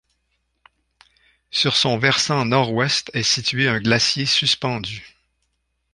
Sur son versant nord-ouest est situé un glacier suspendu.